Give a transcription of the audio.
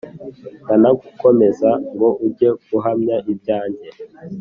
ndanagukomeza ngo ujye guhamya ibyanjye